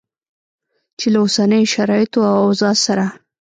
چې له اوسنیو شرایطو او اوضاع سره